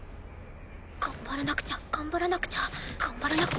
頑張らなくちゃ頑張らなくちゃ頑張らなくちゃ。